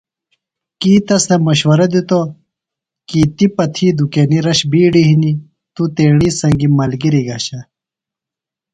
کی تس تھےۡ مشورہ دِتو کی تی پہ تھی دُکینیۡ رش بِیڈیۡ ہِنیۡ تُوۡ تیݨی سنگیۡ ملگِریۡ گھشہ